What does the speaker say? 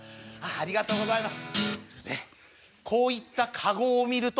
ありがとうございます。